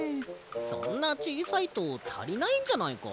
そんなちいさいとたりないんじゃないか？